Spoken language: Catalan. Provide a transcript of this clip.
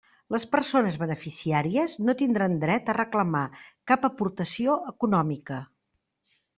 Les persones beneficiàries no tindran dret a reclamar cap aportació econòmica.